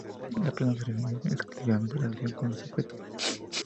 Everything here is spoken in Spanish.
La persona se refiere exclusivamente a la relación con los objetos.